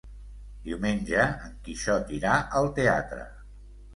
Diumenge en Quixot irà al teatre.